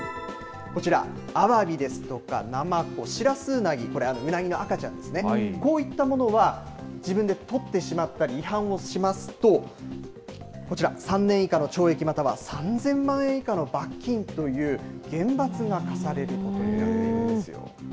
こちら、アワビですとかナマコ、シラスウナギ、これ、ウナギの赤ちゃんですね、こういったものは、自分で取ってしまったり、違反をしますと、こちら、３年以下の懲役、または３０００万円以下の罰金という厳罰が科されることになっているんですよ。